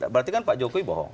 berarti kan pak jokowi bohong